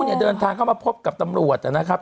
เนี่ยเดินทางเข้ามาพบกับตำรวจนะครับ